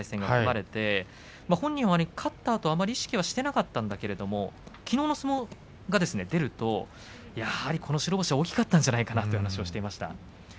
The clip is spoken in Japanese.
本人は勝ったあとあまり意識はしていなかったんだけどきのうの相撲が出るとこの白星が大きかったんじゃないかなという話をしていました。